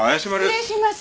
失礼します。